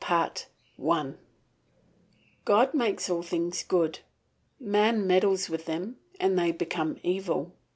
BOOK I God makes all things good; man meddles with them and they become evil.